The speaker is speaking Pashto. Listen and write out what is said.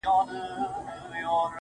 ستا د سوځلي زړه ايرو ته چي سجده وکړه~